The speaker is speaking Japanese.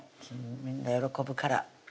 みんな喜ぶから